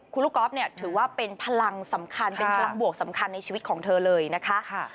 คุณลูกก๊อฟเนี่ยถือว่าเป็นพลังสำคัญเป็นพลังบวกสำคัญในชีวิตของเธอเลยนะคะ